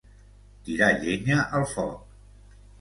Tirar llenya al foc.